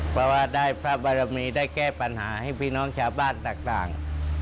เพราะว่าได้พระบารมีได้แก้ปัญหาให้พี่น้องชาวบ้านต่าง